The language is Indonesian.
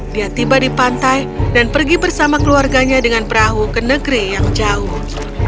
dia tiba di pantai dan pergi bersama keluarganya dengan perahu ke negeri yang jauh